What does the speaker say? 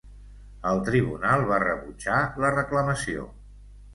El tribunal va rebutjar la reclamació.